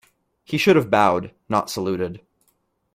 He should have bowed, not saluted